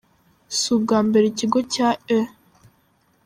Si ubwa mbere ikigo cya E.